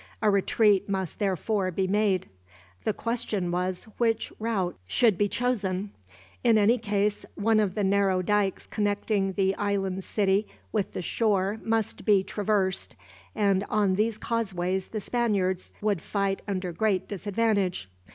A retreat must therefore be made. The question was, which route should be chosen? In any case, one of the narrow dikes connecting the island city with the shore must be traversed; and on these causeways the Spaniards would fight under great disadvantage.